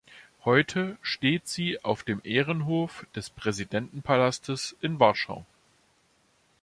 Heute steht sie auf dem Ehrenhof des Präsidentenpalastes in Warschau.